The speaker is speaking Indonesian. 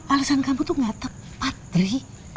alesan kamu tuh gak tepat dri